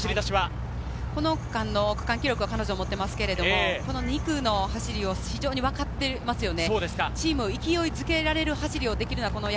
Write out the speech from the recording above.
この区間の区間記録を彼女は持っていますが、２区の走りを非常にわかっていますよね。